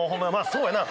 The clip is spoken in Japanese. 「そうやな」